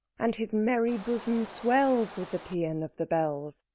And his merry bosom swells With the pæan of the bells!